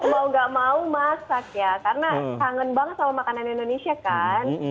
mau gak mau masak ya karena kangen banget sama makanan indonesia kan